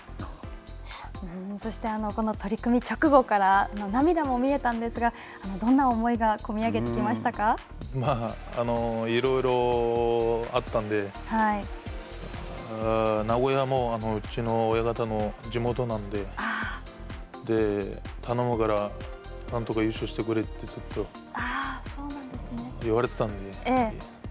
そして、この取組直後からの涙も見えたんですがどんな思いが込み上げてきましたまあ、いろいろあったんで名古屋もうちの親方の地元なんで、頼むからなんとか優勝してくれってずっと言われてたんで。